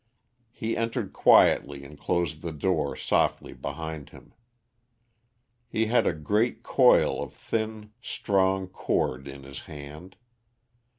He entered quietly and closed the door softly behind him. He had a great coil of thin strong cord in his hand.